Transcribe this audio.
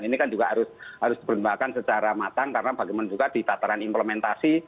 ini kan juga harus diperbakan secara matang karena bagaimana juga di tataran implementasi